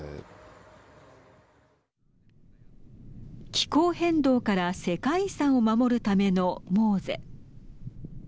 気候変動から世界遺産を守るためのＭｏＳＥ。